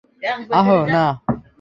আহ, না!